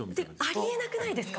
あり得なくないですか？